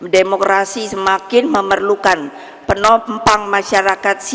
demokrasi semakin memerlukan penumpang masyarakat sisi